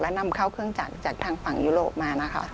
นำเข้าเครื่องจักรจากทางฝั่งยุโรปมานะคะ